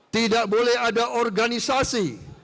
tidak boleh ada organisasi